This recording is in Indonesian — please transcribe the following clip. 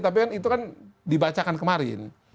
tapi kan itu kan dibacakan kemarin